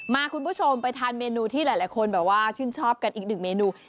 มาคุณผู้ชมไปทานเมนูที่หลายคนชื่นชอบกันอีก๑เมนู